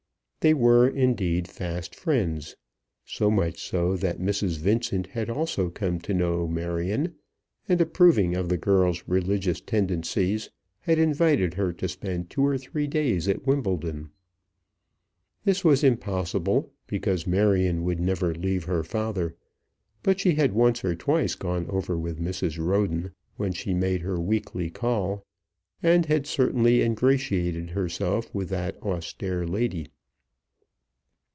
They were, indeed, fast friends, so much so that Mrs. Vincent had also come to know Marion, and approving of the girl's religious tendencies had invited her to spend two or three days at Wimbledon. This was impossible, because Marion would never leave her father; but she had once or twice gone over with Mrs. Roden, when she made her weekly call, and had certainly ingratiated herself with the austere lady.